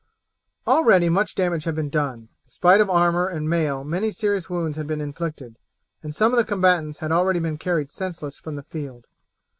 Already much damage had been done. In spite of armour and mail many serious wounds had been inflicted, and some of the combatants had already been carried senseless from the field.